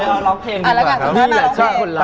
เลยเอาร้องเพลงดีกว่าครับ